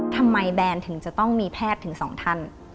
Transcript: ทำไมแบรนด์ถึงจะต้องมีแพทย์ถึง๒ท่าน